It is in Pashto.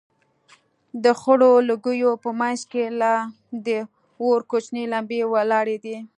د خړو لوگيو په منځ کښې لا د اور کوچنۍ لمبې ولاړېدې.